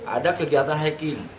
ada kegiatan haiki